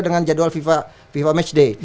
dengan jadwal fifa match day